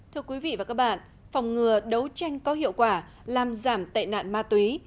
thưa quý vị và các bạn phòng ngừa đấu tranh có hiệu quả làm giảm tệ nạn ma túy